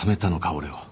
俺を。